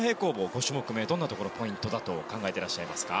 ５種目め、どんなところがポイントだと考えていますか？